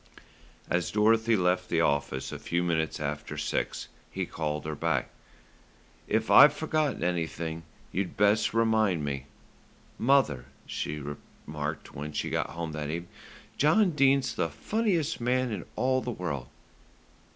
As Dorothy left the office a few minutes after six he called her back. "If I've forgotten anything you'd best remind me." "Mother," she remarked, when she got home that evening, "John Dene's the funniest man in all the world."